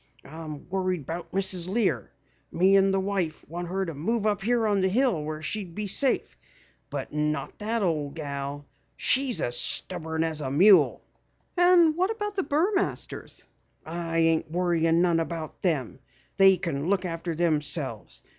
"I'm worried about Mrs. Lear. Me and the wife want her to move up here on the hill where she'd be safe, but not that ole gal. She's as stubborn as a mule." "And what of the Burmasters?" "I ain't worryin' none about them. They kin look after themselves.